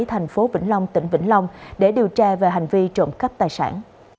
thành phố vĩnh long tỉnh vĩnh long để điều tra về hành vi trộm cắp tài sản